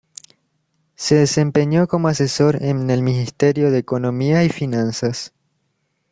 Se desempeñó como asesor en el Ministerio de Economía y Finanzas.